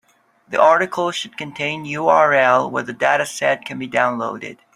The article should contain URL where the dataset can be downloaded.